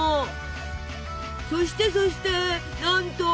そしてそしてなんと！